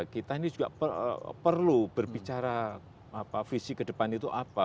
kita ini juga perlu berbicara visi ke depan itu apa